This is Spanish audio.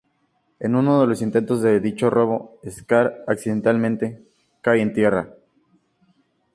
En uno de los intentos de dicho robo, Scar, accidentalmente, cae en Tierra.